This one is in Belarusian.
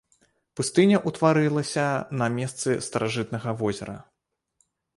Пустыня ўтварылася на месцы старажытнага возера.